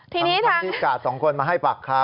ทั้งที่กาดสองคนมาให้ปากคำ